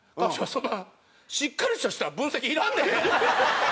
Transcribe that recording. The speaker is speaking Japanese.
そんなしっかりした分析いらんで？